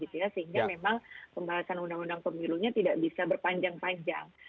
sehingga memang pembahasan undang undang pemilunya tidak bisa berpanjang panjang